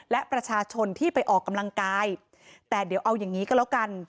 และประชาชนที่ไปออกกำลังกายแต่เดี๋ยวเอาอย่างนี้ก็แล้วกัน